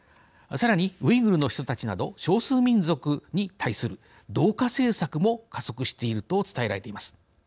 さらにウイグルの人たちなど少数民族に対する同化政策も加速していると伝えられています。